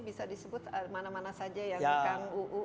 bisa disebut mana mana saja yang kang uu